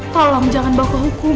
tolong jangan bawa hukum